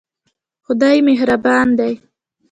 خدای مهربان دی